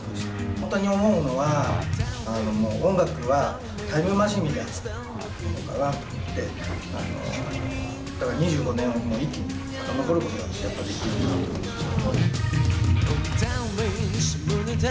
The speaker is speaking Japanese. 本当に思うのは、もう音楽はタイムマシンみたいなものかなと思って、２５年を一気にさかのぼることが、やっぱできるなと思いました。